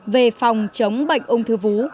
về phòng chống bệnh ung thư vú